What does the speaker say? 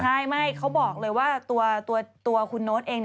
ใช่ไม่เขาบอกเลยว่าตัวคุณโน๊ตเอง